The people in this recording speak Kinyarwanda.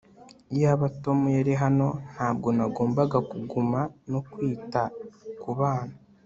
iyaba tom yari hano, ntabwo nagomba kuguma no kwita kubana